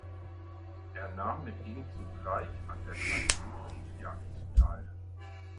Er nahm mit ihm zugleich an der Kalydonischen Jagd teil.